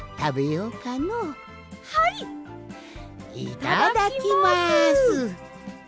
いただきます！